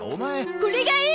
これがいい！